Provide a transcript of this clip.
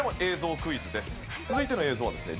続いての映像はですね